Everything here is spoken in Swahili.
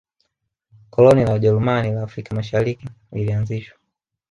koloni la wajerumani la afrika mashariki lilianzishwa